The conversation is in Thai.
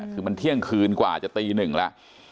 คือมันเที่ยงคืนกว่าจะตีหนึ่งแล้ว